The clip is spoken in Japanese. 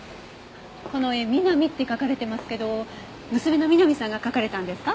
この絵「Ｍｉｎａｍｉ」って書かれてますけど娘の美波さんが描かれたんですか？